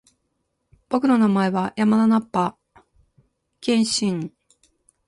僕の名前は山田ナッパ！気円斬！